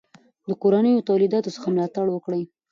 د کورنیو تولیداتو څخه ملاتړ وکړئ.